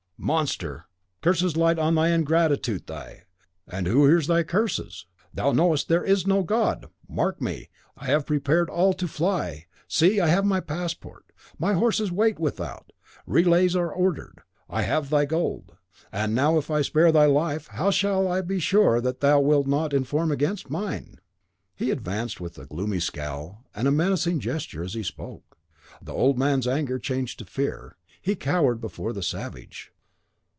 "Monster! Curses light on thy ingratitude, thy " "And who hears thy curses? Thou knowest there is no God! Mark me; I have prepared all to fly. See, I have my passport; my horses wait without; relays are ordered. I have thy gold." (And the wretch, as he spoke, continued coldly to load his person with the rouleaus). "And now, if I spare thy life, how shall I be sure that thou wilt not inform against mine?" He advanced with a gloomy scowl and a menacing gesture as he spoke. The old man's anger changed to fear. He cowered before the savage.